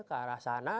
ke arah sana